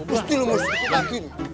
pasti mus di depan lagi